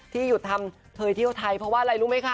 หยุดทำเคยเที่ยวไทยเพราะว่าอะไรรู้ไหมคะ